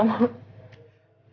kamu harus bangun